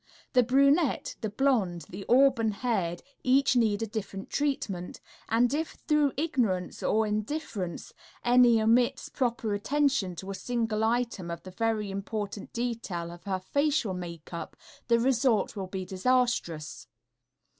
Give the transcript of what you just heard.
The brunette, the blonde, the auburn haired, each needs a different treatment, and if through ignorance or indifference any omits proper attention to a single item of the very important detail of her facial makeup, the result will be disastrous.